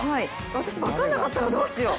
私分からなかったらどうしよう。